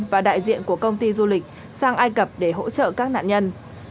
và đại diện của công ty du lịch sang ai cập để hỗ trợ các nạn nhân